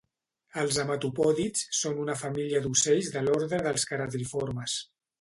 Els hematopòdids són una família d'ocells de l'ordre dels caradriformes